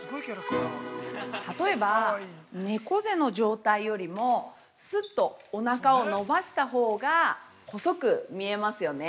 ◆例えば猫背の状態よりもすうっとおなかを伸ばしたほうが細く見えますよね。